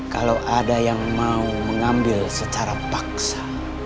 kalau ada yang mau mengambil secara paksa